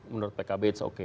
menurut pkb it's okay